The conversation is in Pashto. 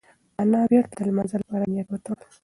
انا بېرته د لمانځه لپاره نیت وتړل.